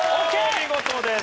お見事です！